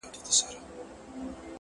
څه ته مي زړه نه غواړي؛